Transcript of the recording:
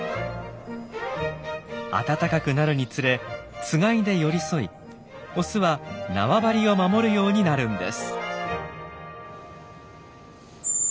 暖かくなるにつれつがいで寄り添いオスは縄張りを守るようになるんです。